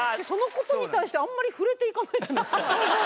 そのことに対してあんまり触れていかないじゃないですか。